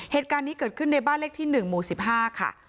เหตุการณ์ที่เกิดขึ้นในบ้านเลขที่หนึ่งหมู่สิบห้าค่ะ